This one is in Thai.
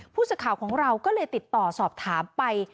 ผู้สื่อข่าวของเราก็เลยติดต่อสอบถามไป